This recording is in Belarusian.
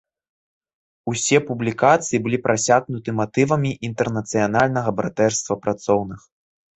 Усе публікацыі былі прасякнуты матывамі інтэрнацыянальнага братэрства працоўных.